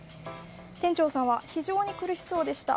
店長さんは非常に苦しそうでした。